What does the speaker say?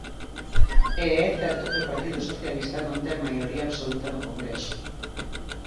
E é certo que o Partido Socialista non ten maioría absoluta no Congreso.